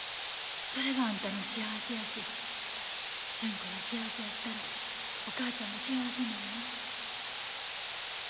それがあんたの幸せやし純子が幸せやったらお母ちゃんも幸せなんや。